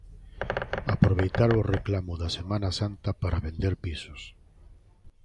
Aproveitar o reclamo da Semana Santa para vender pisos.